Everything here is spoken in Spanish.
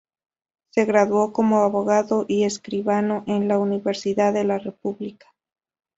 Se graduó como abogado y escribano en la Universidad de la República.